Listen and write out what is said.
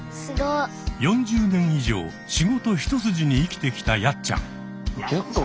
４０年以上仕事一筋に生きてきたやっちゃん。